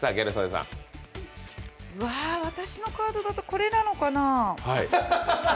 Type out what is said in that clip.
私のカードだとこれなのかなぁ。